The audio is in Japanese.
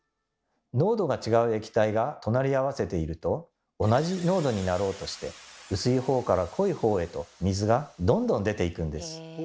濃度が違う液体が隣り合わせていると同じ濃度になろうとして薄い方から濃い方へと水がどんどん出ていくんです。